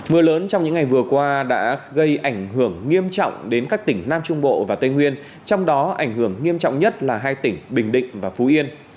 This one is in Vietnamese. mưa lớn trong những ngày vừa qua đã gây ảnh hưởng nghiêm trọng đến các tỉnh nam trung bộ và tây nguyên trong đó ảnh hưởng nghiêm trọng nhất là hai tỉnh bình định và phú yên